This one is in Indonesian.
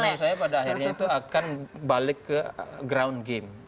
menurut saya pada akhirnya itu akan balik ke ground game